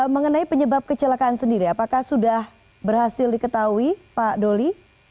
mengenai penyebab kecelakaan sendiri apakah sudah berhasil diketahui pak doli